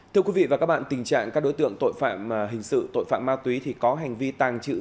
thưa quý vị và các bạn tình trạng các đối tượng tội phạm hình sự tội phạm ma túy thì có hành vi tàng trữ